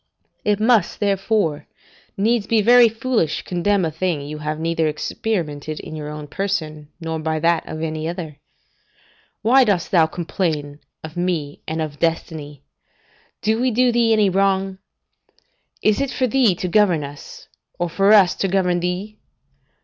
It must, therefore, needs be very foolish to condemn a thing you have neither experimented in your own person, nor by that of any other. Why dost thou complain of me and of destiny? Do we do thee any wrong? Is it for thee to govern us, or for us to govern thee?